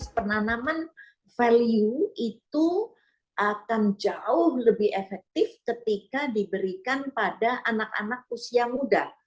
penanaman value itu akan jauh lebih efektif ketika diberikan pada anak anak usia muda